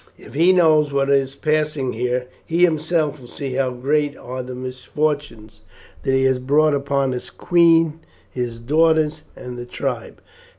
If he knows what is passing here he himself will see how great are the misfortunes that he has brought upon his queen, his daughters, and the tribe.